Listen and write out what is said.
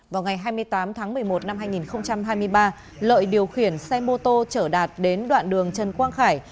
vào ngày hai mươi tám tháng một mươi một năm hai nghìn hai mươi ba lợi điều khiển xe mô tô trở đạt đến đoạn đường trần quang khải